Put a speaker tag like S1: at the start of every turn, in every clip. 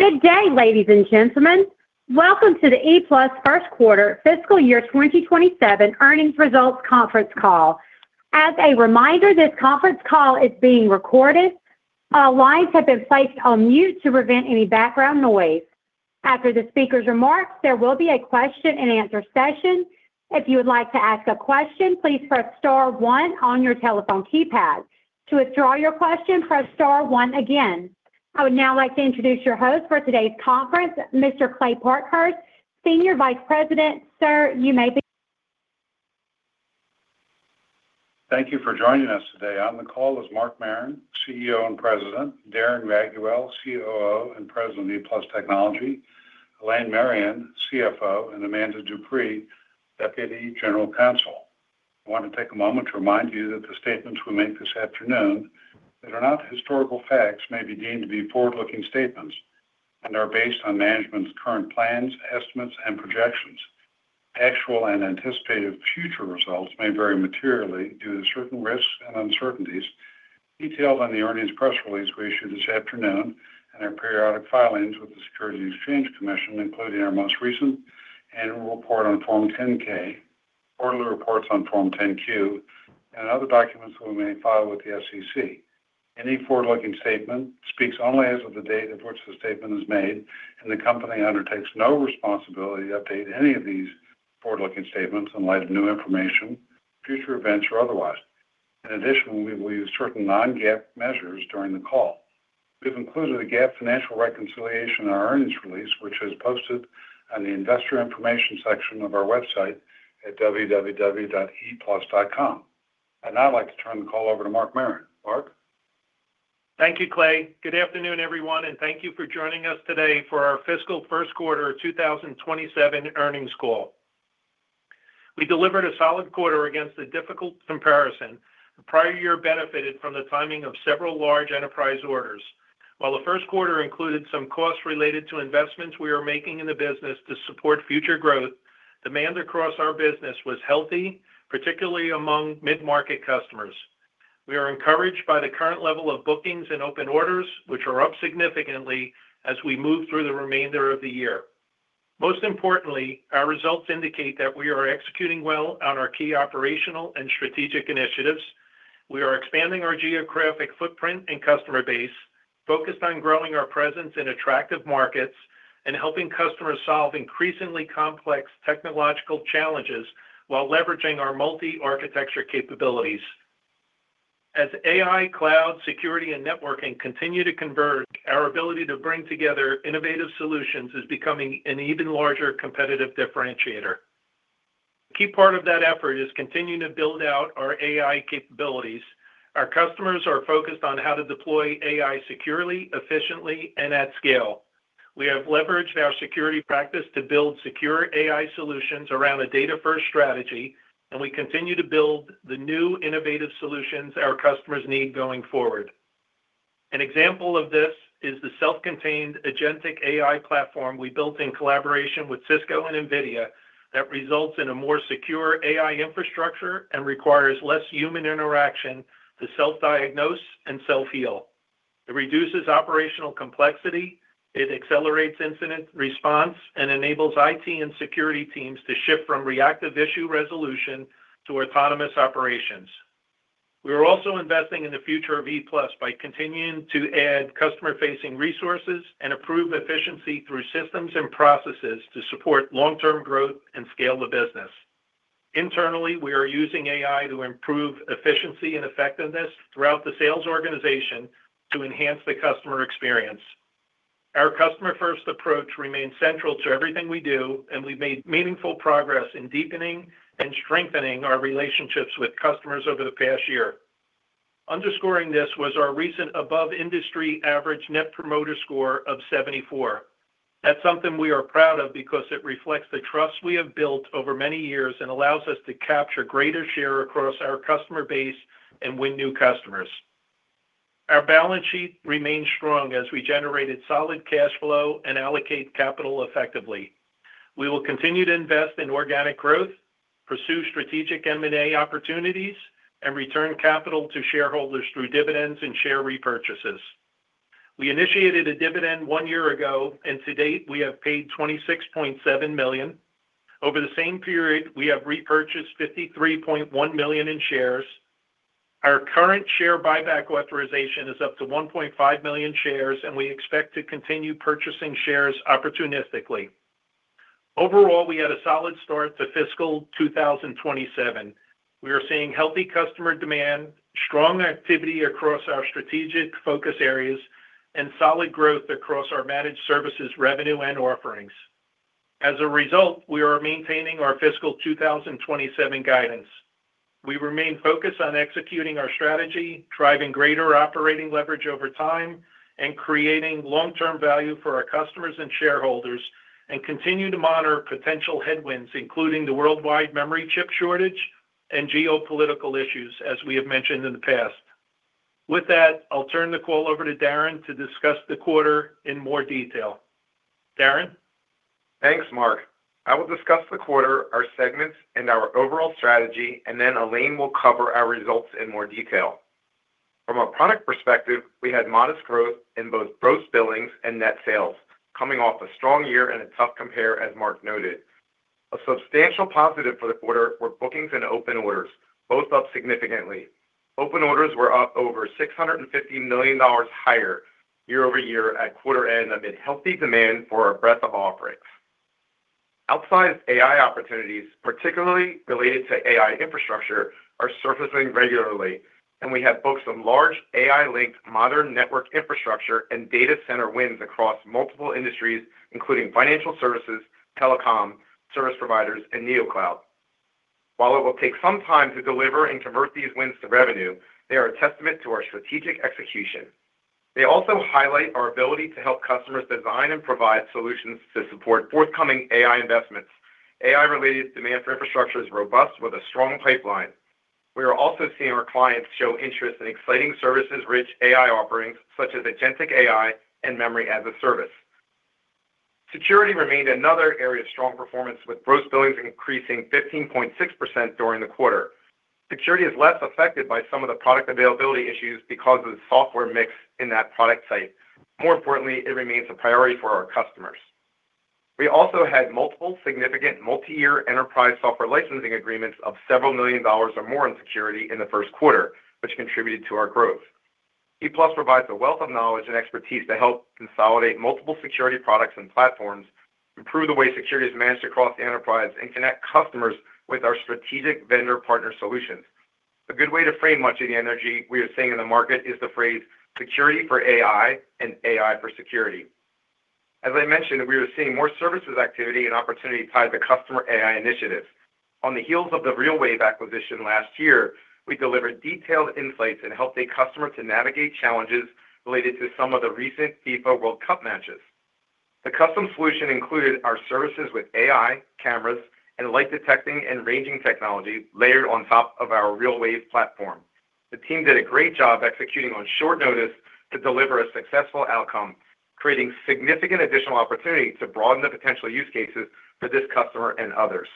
S1: Good day, ladies and gentlemen. Welcome to the ePlus first quarter fiscal year 2027 earnings results conference call. As a reminder, this conference call is being recorded. All lines have been placed on mute to prevent any background noise. After the speaker's remarks, there will be a question and answer session. If you would like to ask a question, please press star one on your telephone keypad. To withdraw your question, press star one again. I would now like to introduce your host for today's conference, Mr. Kleyton Parkhurst, Senior Vice President. Sir, you may begin.
S2: Thank you for joining us today. On the call is Mark Marron, CEO and President, Darren Raiguel, COO and President of ePlus Technology, Elaine Marion, CFO, and Amanda Dupree, Deputy General Counsel. I want to take a moment to remind you that the statements we make this afternoon that are not historical facts may be deemed to be forward-looking statements and are based on management's current plans, estimates, and projections. Actual and anticipated future results may vary materially due to certain risks and uncertainties detailed in the earnings press release we issued this afternoon and our periodic filings with the Securities and Exchange Commission, including our most recent annual report on Form 10-K, quarterly reports on Form 10-Q, and other documents we may file with the SEC. Any forward-looking statement speaks only as of the date of which the statement is made, and the company undertakes no responsibility to update any of these forward-looking statements in light of new information, future events, or otherwise. In addition, we will use certain non-GAAP measures during the call. We've included a GAAP financial reconciliation in our earnings release, which is posted on the investor information section of our website at www.eplus.com. I'd now like to turn the call over to Mark Marron. Mark?
S3: Thank you, Kleyton. Good afternoon, everyone, and thank you for joining us today for our fiscal first quarter 2027 earnings call. We delivered a solid quarter against a difficult comparison. The prior year benefited from the timing of several large enterprise orders. While the first quarter included some costs related to investments we are making in the business to support future growth, demand across our business was healthy, particularly among mid-market customers. We are encouraged by the current level of bookings and open orders, which are up significantly as we move through the remainder of the year. Most importantly, our results indicate that we are executing well on our key operational and strategic initiatives. We are expanding our geographic footprint and customer base, focused on growing our presence in attractive markets and helping customers solve increasingly complex technological challenges while leveraging our multi-architecture capabilities. As AI, cloud, security, and networking continue to converge, our ability to bring together innovative solutions is becoming an even larger competitive differentiator. A key part of that effort is continuing to build out our AI capabilities. Our customers are focused on how to deploy AI securely, efficiently, and at scale. We have leveraged our security practice to build secure AI solutions around a data-first strategy, and we continue to build the new innovative solutions our customers need going forward. An example of this is the self-contained agentic AI platform we built in collaboration with Cisco and NVIDIA that results in a more secure AI infrastructure and requires less human interaction to self-diagnose and self-heal. It reduces operational complexity. It accelerates incident response and enables IT and security teams to shift from reactive issue resolution to autonomous operations. We are also investing in the future of ePlus by continuing to add customer-facing resources and improve efficiency through systems and processes to support long-term growth and scale the business. Internally, we are using AI to improve efficiency and effectiveness throughout the sales organization to enhance the customer experience. Our customer-first approach remains central to everything we do, we've made meaningful progress in deepening and strengthening our relationships with customers over the past year. Underscoring this was our recent above-industry average Net Promoter Score of 74. That's something we are proud of because it reflects the trust we have built over many years and allows us to capture greater share across our customer base and win new customers. Our balance sheet remains strong as we generated solid cash flow and allocate capital effectively. We will continue to invest in organic growth, pursue strategic M&A opportunities, return capital to shareholders through dividends and share repurchases. We initiated a dividend one year ago, to date, we have paid $26.7 million. Over the same period, we have repurchased $53.1 million in shares. Our current share buyback authorization is up to 1.5 million shares, we expect to continue purchasing shares opportunistically. Overall, we had a solid start to fiscal 2027. We are seeing healthy customer demand, strong activity across our strategic focus areas, solid growth across our managed services revenue and offerings. As a result, we are maintaining our fiscal 2027 guidance. We remain focused on executing our strategy, driving greater operating leverage over time, creating long-term value for our customers and shareholders, and continue to monitor potential headwinds, including the worldwide memory chip shortage and geopolitical issues, as we have mentioned in the past. With that, I'll turn the call over to Darren to discuss the quarter in more detail. Darren?
S4: Thanks, Mark. I will discuss the quarter, our segments, and our overall strategy. Elaine will cover our results in more detail. From a product perspective, we had modest growth in both gross billings and net sales, coming off a strong year and a tough compare, as Mark noted. A substantial positive for the quarter were bookings and open orders, both up significantly. Open orders were up over $650 million higher year-over-year at quarter end amid healthy demand for our breadth of offerings. Outside AI opportunities, particularly related to AI infrastructure, are surfacing regularly, and we have booked some large AI-linked modern network infrastructure and data center wins across multiple industries, including financial services, telecom, service providers, and Neocloud. While it will take some time to deliver and convert these wins to revenue, they are a testament to our strategic execution. They also highlight our ability to help customers design and provide solutions to support forthcoming AI investments. AI-related demand for infrastructure is robust with a strong pipeline. We are also seeing our clients show interest in exciting services-rich AI offerings, such as agentic AI and Memory-as-a-Service. Security remained another area of strong performance, with gross billings increasing 15.6% during the quarter. Security is less affected by some of the product availability issues because of the software mix in that product site. More importantly, it remains a priority for our customers. We also had multiple significant multi-year enterprise software licensing agreements of several million dollars or more in security in the first quarter, which contributed to our growth. ePlus provides a wealth of knowledge and expertise to help consolidate multiple security products and platforms, improve the way security is managed across the enterprise, and connect customers with our strategic vendor partner solutions. A good way to frame much of the energy we are seeing in the market is the phrase security for AI and AI for security. As I mentioned, we are seeing more services activity and opportunity tied to customer AI initiatives. On the heels of the Realwave acquisition last year, we delivered detailed insights and helped a customer to navigate challenges related to some of the recent FIFA World Cup matches. The custom solution included our services with AI, cameras, and Light Detection and Ranging technology layered on top of our Realwave platform. The team did a great job executing on short notice to deliver a successful outcome, creating significant additional opportunity to broaden the potential use cases for this customer and others.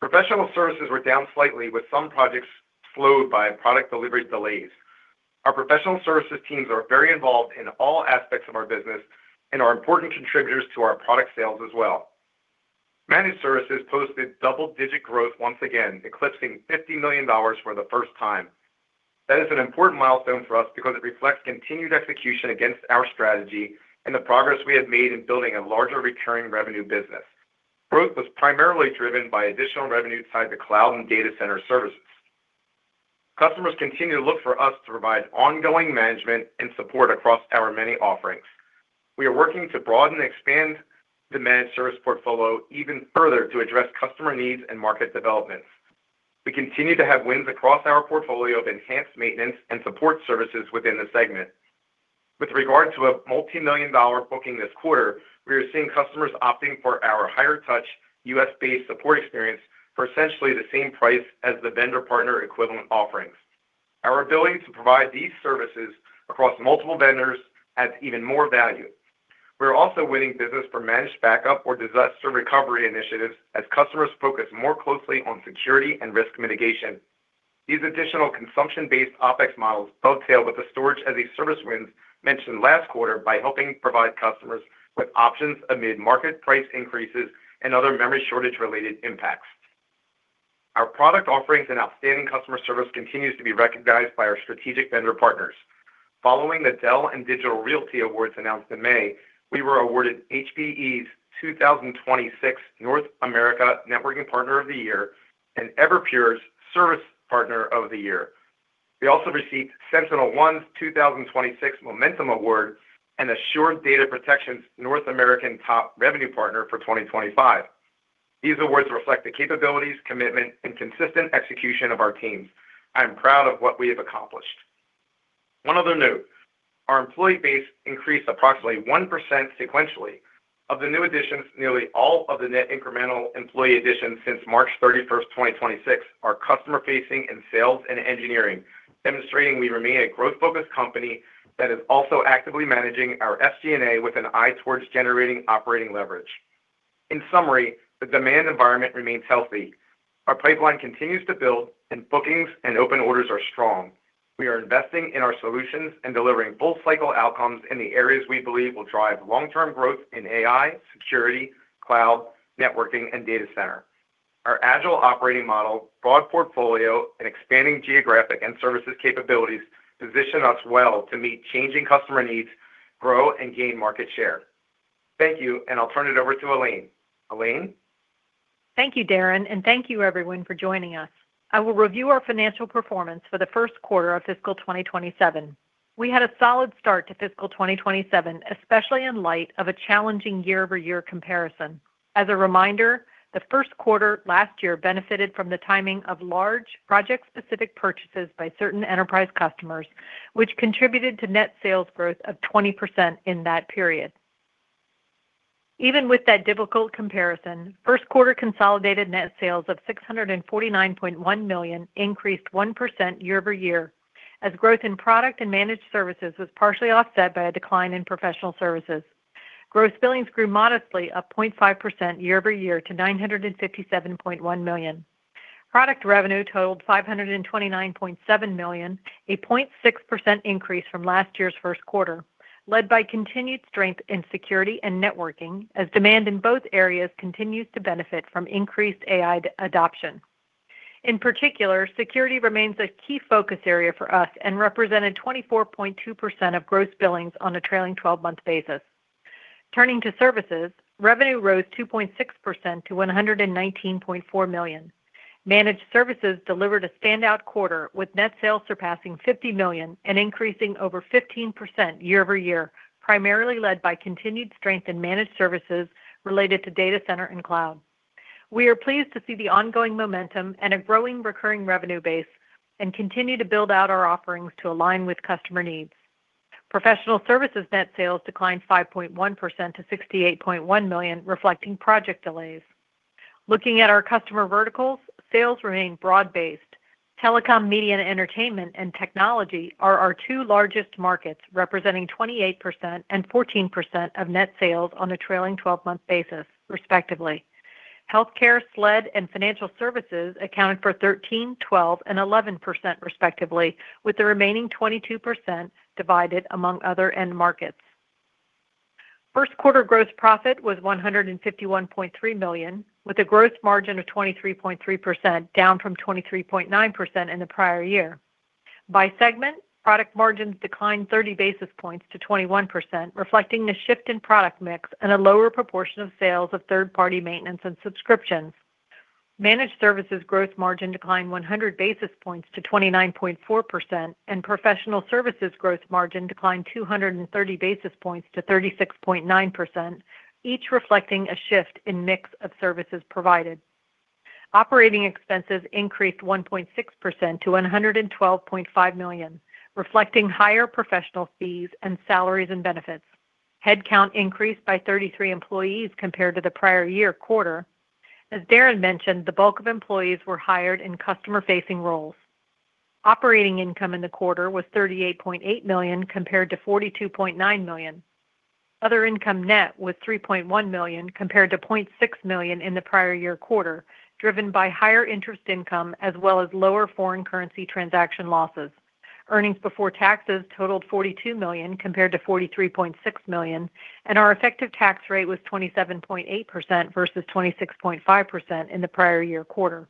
S4: Professional services were down slightly with some projects slowed by product delivery delays. Our professional services teams are very involved in all aspects of our business and are important contributors to our product sales as well. Managed services posted double-digit growth once again, eclipsing $50 million for the first time. That is an important milestone for us because it reflects continued execution against our strategy and the progress we have made in building a larger recurring revenue business. Growth was primarily driven by additional revenue tied to cloud and data center services. Customers continue to look for us to provide ongoing management and support across our many offerings. We are working to broaden and expand the managed service portfolio even further to address customer needs and market developments. We continue to have wins across our portfolio of enhanced maintenance and support services within the segment. With regard to a multimillion-dollar booking this quarter, we are seeing customers opting for our higher touch, U.S.-based support experience for essentially the same price as the vendor partner equivalent offerings. Our ability to provide these services across multiple vendors adds even more value. We are also winning business for managed backup or disaster recovery initiatives as customers focus more closely on security and risk mitigation. These additional consumption-based OpEx models dovetail with the Storage-as-a-Service wins mentioned last quarter by helping provide customers with options amid market price increases and other memory shortage-related impacts. Our product offerings and outstanding customer service continues to be recognized by our strategic vendor partners. Following the Dell and Digital Realty awards announced in May, we were awarded HPE's 2026 North America Networking Partner of the Year and Everpure's Service Partner of the Year. We also received SentinelOne's 2026 Momentum Award and Assured Data Protection's North American Top Revenue Partner for 2025. These awards reflect the capabilities, commitment, and consistent execution of our teams. I am proud of what we have accomplished. One other note, our employee base increased approximately 1% sequentially. Of the new additions, nearly all of the net incremental employee additions since March 31st, 2026 are customer-facing in sales and engineering, demonstrating we remain a growth-focused company that is also actively managing our SG&A with an eye towards generating operating leverage. The demand environment remains healthy. Our pipeline continues to build, and bookings and open orders are strong. We are investing in our solutions and delivering full cycle outcomes in the areas we believe will drive long-term growth in AI, security, cloud, networking, and data center. Our agile operating model, broad portfolio, and expanding geographic and services capabilities position us well to meet changing customer needs, grow, and gain market share. Thank you, and I'll turn it over to Elaine. Elaine?
S5: Thank you, Darren, and thank you, everyone, for joining us. I will review our financial performance for the first quarter of fiscal 2027. We had a solid start to fiscal 2027, especially in light of a challenging year-over-year comparison. As a reminder, the first quarter last year benefited from the timing of large project-specific purchases by certain enterprise customers, which contributed to net sales growth of 20% in that period. Even with that difficult comparison, first quarter consolidated net sales of $649.1 million increased 1% year-over-year, as growth in product and managed services was partially offset by a decline in professional services. Gross billings grew modestly, up 0.5% year-over-year to $957.1 million. Product revenue totaled $529.7 million, a 0.6% increase from last year's first quarter, led by continued strength in security and networking, as demand in both areas continues to benefit from increased AI adoption. In particular, security remains a key focus area for us and represented 24.2% of gross billings on a trailing 12-month basis. Turning to services, revenue rose 2.6% to $119.4 million. Managed services delivered a standout quarter, with net sales surpassing $50 million and increasing over 15% year-over-year, primarily led by continued strength in managed services related to data center and cloud. We are pleased to see the ongoing momentum and a growing recurring revenue base and continue to build out our offerings to align with customer needs. Professional services net sales declined 5.1% to $68.1 million, reflecting project delays. Looking at our customer verticals, sales remain broad-based. Telecom, media and entertainment, and technology are our two largest markets, representing 28% and 14% of net sales on a trailing 12-month basis, respectively. Healthcare, SLED, and financial services accounted for 13%, 12%, and 11%, respectively, with the remaining 22% divided among other end markets. First quarter gross profit was $151.3 million, with a gross margin of 23.3%, down from 23.9% in the prior year. By segment, product margins declined 30 basis points to 21%, reflecting a shift in product mix and a lower proportion of sales of third-party maintenance and subscriptions. Managed services growth margin declined 100 basis points to 29.4%, and professional services growth margin declined 230 basis points to 36.9%, each reflecting a shift in mix of services provided. Operating Expenses increased 1.6% to $112.5 million, reflecting higher professional fees and salaries and benefits. Headcount increased by 33 employees compared to the prior year quarter. As Darren Raiguel mentioned, the bulk of employees were hired in customer-facing roles. Operating income in the quarter was $38.8 million compared to $42.9 million. Other income net was $3.1 million, compared to $0.6 million in the prior year quarter, driven by higher interest income as well as lower foreign currency transaction losses. Earnings before taxes totaled $42 million compared to $43.6 million, and our effective tax rate was 27.8% versus 26.5% in the prior year quarter.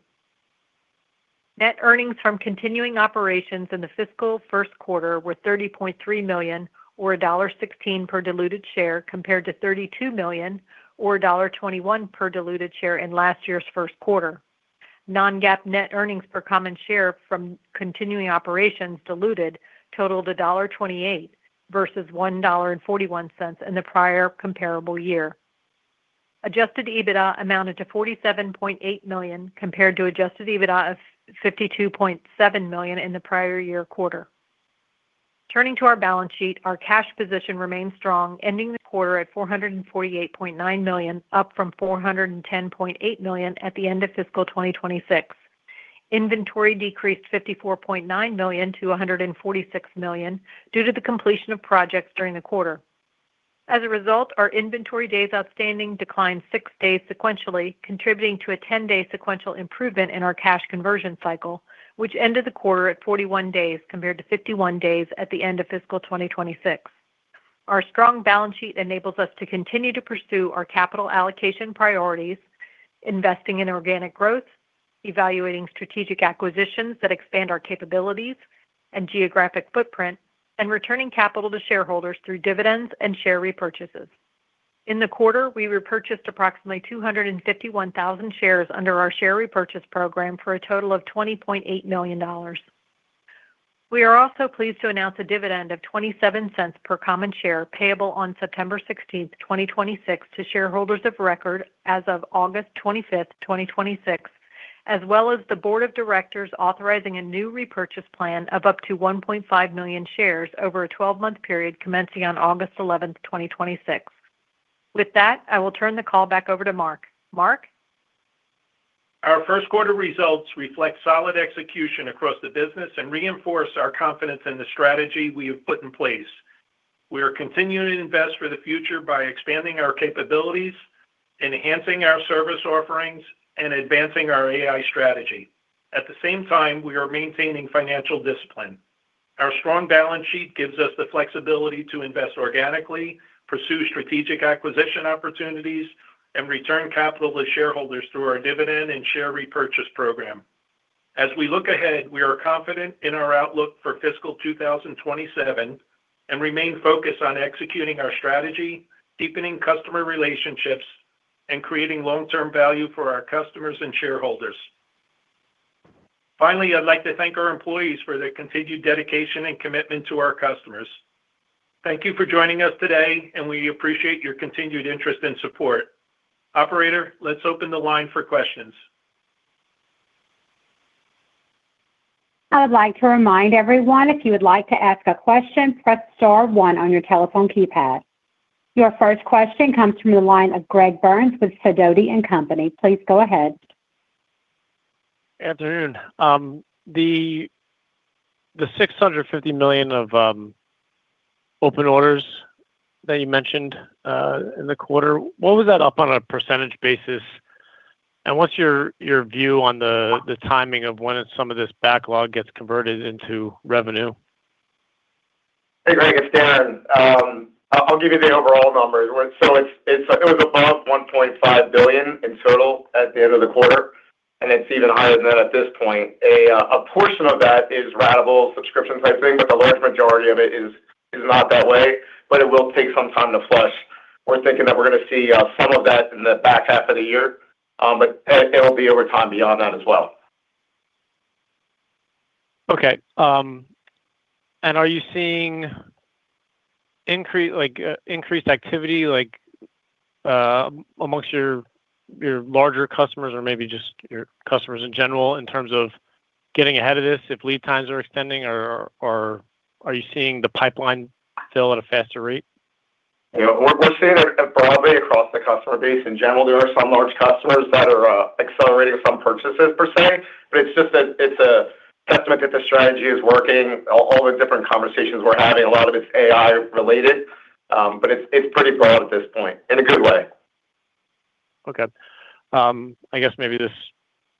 S5: Net earnings from continuing operations in the fiscal first quarter were $30.3 million or $1.16 per diluted share, compared to $32 million or $1.21 per diluted share in last year's first quarter. Non-GAAP net earnings per common share from continuing operations diluted totaled $1.28 versus $1.41 in the prior comparable year. Adjusted EBITDA amounted to $47.8 million compared to Adjusted EBITDA of $52.7 million in the prior year quarter. Turning to our balance sheet, our cash position remains strong, ending the quarter at $448.9 million, up from $410.8 million at the end of fiscal 2026. Inventory decreased $54.9 million-$146 million due to the completion of projects during the quarter. As a result, our inventory days outstanding declined six days sequentially, contributing to a 10-day sequential improvement in our cash conversion cycle, which ended the quarter at 41 days compared to 51 days at the end of fiscal 2026. Our strong balance sheet enables us to continue to pursue our capital allocation priorities, investing in organic growth, evaluating strategic acquisitions that expand our capabilities and geographic footprint, and returning capital to shareholders through dividends and share repurchases. In the quarter, we repurchased approximately 251,000 shares under our share repurchase program for a total of $20.8 million. We are also pleased to announce a dividend of $0.27 per common share payable on September 16th, 2026 to shareholders of record as of August 25th, 2026, as well as the board of directors authorizing a new repurchase plan of up to 1.5 million shares over a 12-month period commencing on August 11th, 2026. With that, I will turn the call back over to Mark. Mark?
S3: Our first quarter results reflect solid execution across the business and reinforce our confidence in the strategy we have put in place. We are continuing to invest for the future by expanding our capabilities, enhancing our service offerings, and advancing our AI strategy. At the same time, we are maintaining financial discipline. Our strong balance sheet gives us the flexibility to invest organically, pursue strategic acquisition opportunities, and return capital to shareholders through our dividend and share repurchase program. As we look ahead, we are confident in our outlook for fiscal 2027 and remain focused on executing our strategy, deepening customer relationships, and creating long-term value for our customers and shareholders. Finally, I'd like to thank our employees for their continued dedication and commitment to our customers. Thank you for joining us today, and we appreciate your continued interest and support. Operator, let's open the line for questions.
S1: I would like to remind everyone, if you would like to ask a question, press star one on your telephone keypad. Your first question comes from the line of Greg Burns with Sidoti & Company. Please go ahead.
S6: Afternoon. The $650 million of open orders that you mentioned in the quarter, what was that up on a percentage basis? What's your view on the timing of when some of this backlog gets converted into revenue?
S4: Hey, Greg, it's Darren. I'll give you the overall numbers. It was above $1.5 billion in total at the end of the quarter, it's even higher than that at this point. A portion of that is ratable subscriptions, I'd say, the large majority of it is not that way, it will take some time to flush. We're thinking that we're going to see some of that in the back half of the year. It'll be over time beyond that as well.
S6: Okay. Are you seeing increased activity amongst your larger customers or maybe just your customers in general, in terms of getting ahead of this, if lead times are extending, or are you seeing the pipeline fill at a faster rate?
S4: We're seeing it broadly across the customer base in general. There are some large customers that are accelerating some purchases per se, it's just that it's a testament that the strategy is working. All the different conversations we're having, a lot of it's AI related. It's pretty broad at this point, in a good way.
S6: Okay. I guess maybe this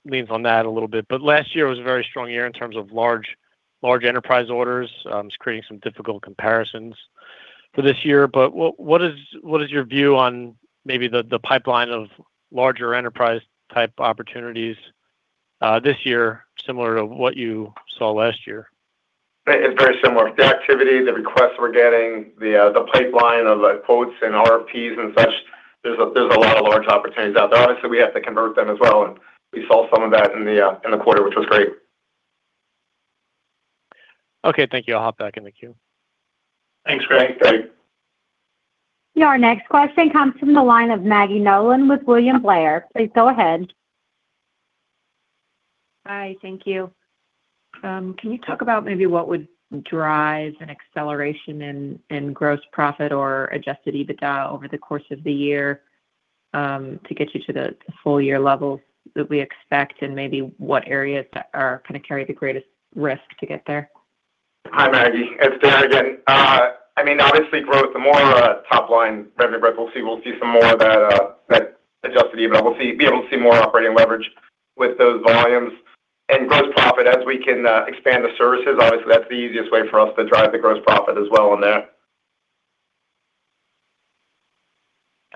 S6: leans on that a little bit, last year was a very strong year in terms of large enterprise orders. It's creating some difficult comparisons for this year. What is your view on maybe the pipeline of larger enterprise-type opportunities this year, similar to what you saw last year?
S4: It's very similar. The activity, the requests we're getting, the pipeline of quotes and RFPs and such, there's a lot of large opportunities out there. Obviously, we have to convert them as well, and we saw some of that in the quarter, which was great.
S6: Okay, thank you. I'll hop back in the queue.
S4: Thanks, Greg.
S1: Your next question comes from the line of Maggie Nolan with William Blair. Please go ahead.
S7: Hi, thank you. Can you talk about maybe what would drive an acceleration in gross profit or Adjusted EBITDA over the course of the year, to get you to the full year levels that we expect, and maybe what areas that carry the greatest risk to get there?
S4: Hi, Maggie. It's Darren again. Obviously growth, the more top line revenue growth we'll see, we'll see some more of that Adjusted EBITDA. We'll be able to see more operating leverage with those volumes. Gross profit, as we can expand the services, obviously, that's the easiest way for us to drive the gross profit as well on that.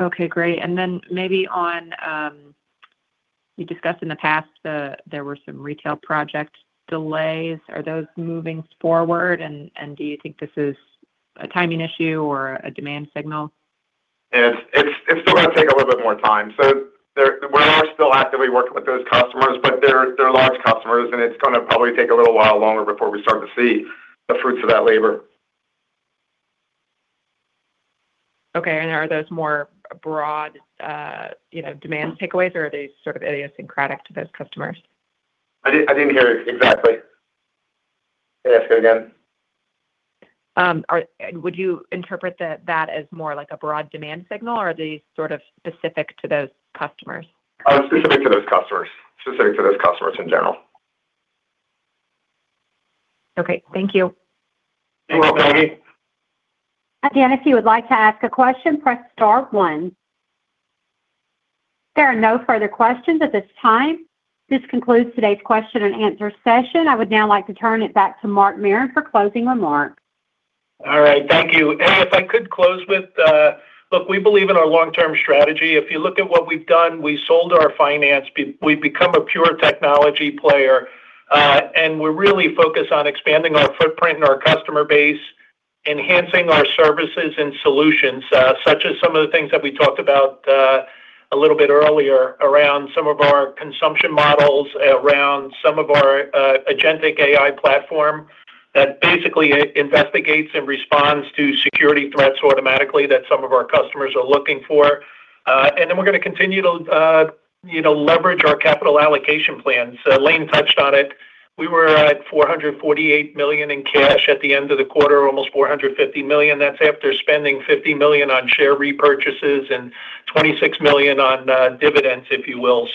S7: Okay, great. Maybe on, you discussed in the past there were some retail project delays. Are those moving forward, and do you think this is a timing issue or a demand signal?
S4: It's still going to take a little bit more time. We are still actively working with those customers, but they're large customers and it's going to probably take a little while longer before we start to see the fruits of that labor.
S7: Okay. Are those more broad demand takeaways, or are they sort of idiosyncratic to those customers?
S4: I didn't hear exactly. Ask again.
S7: Would you interpret that as more like a broad demand signal, or are they sort of specific to those customers?
S4: Specific to those customers. Specific to those customers in general.
S7: Okay. Thank you.
S4: You're welcome, Maggie.
S1: If you would like to ask a question, press star one. There are no further questions at this time. This concludes today's question and answer session. I would now like to turn it back to Mark Marron for closing remarks.
S3: All right, thank you. If I could close with, look, we believe in our long-term strategy. If you look at what we've done, we sold our finance bit, we've become a pure technology player. We're really focused on expanding our footprint and our customer base, enhancing our services and solutions, such as some of the things that we talked about a little bit earlier around some of our consumption models, around some of our agentic AI platform that basically investigates and responds to security threats automatically that some of our customers are looking for. We're going to continue to leverage our capital allocation plans. Elaine touched on it. We were at $448 million in cash at the end of the quarter, almost $450 million. That's after spending $50 million on share repurchases and $26 million on dividends, if you will.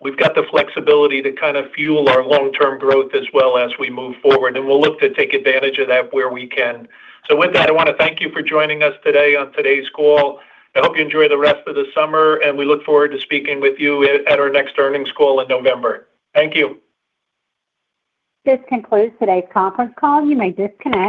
S3: We've got the flexibility to kind of fuel our long-term growth as well as we move forward. We'll look to take advantage of that where we can. With that, I want to thank you for joining us today on today's call. I hope you enjoy the rest of the summer, and we look forward to speaking with you at our next earnings call in November. Thank you.
S1: This concludes today's conference call. You may disconnect.